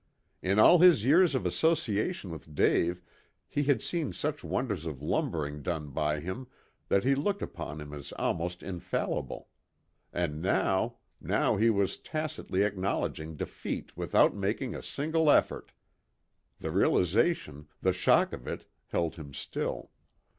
In all his years of association with Dave he had seen such wonders of lumbering done by him that he looked upon him as almost infallible. And now now he was tacitly acknowledging defeat without making a single effort. The realization, the shock of it, held him still.